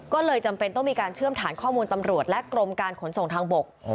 ก็เลยจำเป็นต้องมีการเชื่อมฐานข้อมูลตำรวจและกรมการขนส่งทางบก